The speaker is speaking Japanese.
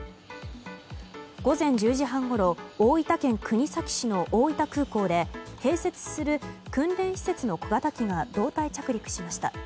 午前１０時半ごろ大分県国東市の大分空港で併設する訓練施設の小型機が胴体着陸しました。